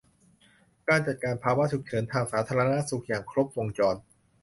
การจัดการภาวะฉุกเฉินทางสาธารณสุขอย่างครบวงจร